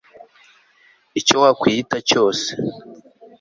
icyo wakwiyita cyose